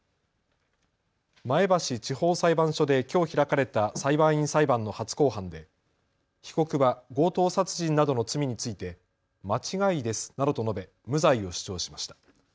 前橋地方裁判所できょう開かれた裁判員裁判の初公判で被告は強盗殺人などの罪について間違いですなどと述べ無罪を主張しました。